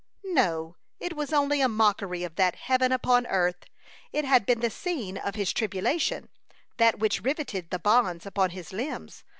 No, it was only a mockery of that heaven upon earth! It had been the scene of his tribulation that which riveted the bonds upon his limbs.